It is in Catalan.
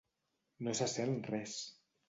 No se sent res.